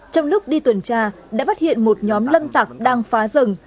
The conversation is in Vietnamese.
trong lúc đi tuần tra đã phát hiện một nhóm lâm tặc đang phá rừng